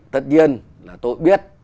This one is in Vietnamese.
tất nhiên là tôi biết